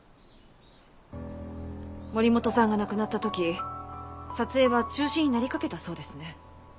森本さんが亡くなった時撮影は中止になりかけたそうですね。